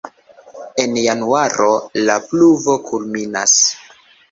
En januaro la pluvo kulminas.